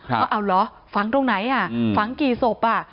ว่าเอาเหรอฝังตรงไหนฝังกี่ศพ